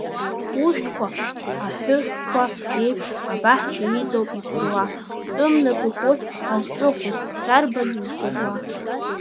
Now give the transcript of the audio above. Ушәҭқәа, аҳәыҳәқәа реиԥш, абаҳча иҵоуп иԥыруа, тәым напык урҭ азҿыхуам, дарбан изгәыӷьуа!